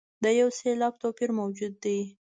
د یو سېلاب توپیر موجود دی.